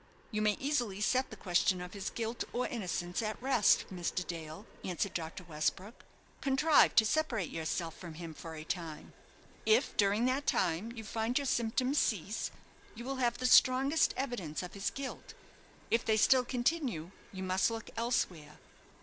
"You may easily set the question of his guilt or innocence at rest, Mr. Dale," answered Dr. Westbrook. "Contrive to separate yourself from him for a time. If during that time you find your symptoms cease, you will have the strongest evidence of his guilt; if they still continue, you must look elsewhere."